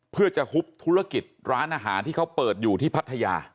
เพื่อจะหุบธุรกิจร้านอาหารที่เขาเปิดอยู่ที่พัทยา